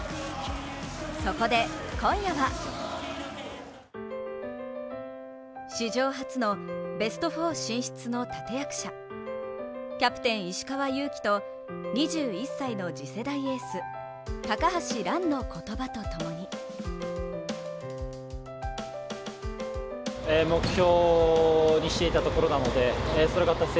そこで今夜は史上初のベスト４進出の立役者、キャプテン・石川祐希と２１歳の次世代エース・高橋藍の言葉とともに準決勝の相手は世界ランク１位のポーランド。